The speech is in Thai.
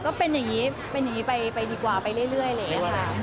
ก็เป็นอย่างนี้ไปดีกว่าไปเรื่อยเลย